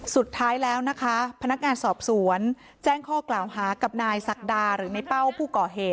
สุดท้ายแล้วนะคะพนักงานสอบสวนแจ้งข้อกล่าวหากับนายศักดาหรือในเป้าผู้ก่อเหตุ